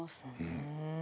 うん。